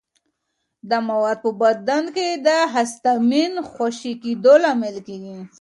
دا مواد په بدن کې د هسټامین خوشې کېدو لامل کېږي.